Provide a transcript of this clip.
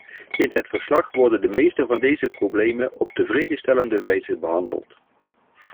In het verslag worden de meeste van deze problemen op tevredenstellende wijze behandeld.